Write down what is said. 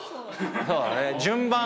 そうだね。